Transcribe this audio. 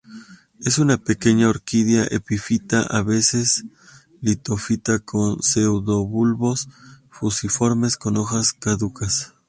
Es una pequeña orquídea epífita, a veces, litofita con pseudobulbos fusiformes con hojas caducas.